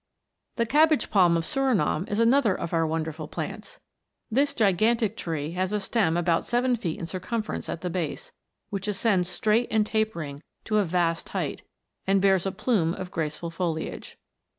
The cabbage palm of Surinam is another of our wonderful plants. This gigantic tree has a stem about seven feet in circumference at the base, which ascends straight and tapering to a vast height, and bears a plume of graceful foliage.